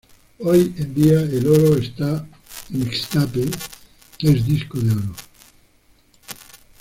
Hoy en día el oro, está mixtape es disco de oro.